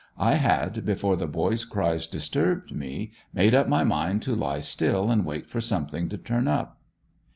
I had, before the boy's cries disturbed me, made up my mind to lie still and wait for something to turn up.